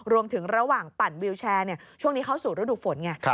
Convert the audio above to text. ระหว่างปั่นวิวแชร์ช่วงนี้เข้าสู่ฤดูฝนไง